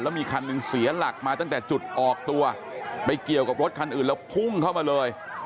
มีคันหนึ่งเสียหลักมาตั้งแต่จุดออกตัวไปเกี่ยวกับรถคันอื่นแล้วพุ่งเข้ามาเลย